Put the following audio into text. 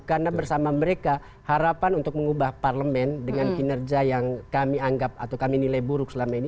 karena bersama mereka harapan untuk mengubah parlemen dengan kinerja yang kami anggap atau kami nilai buruk selama ini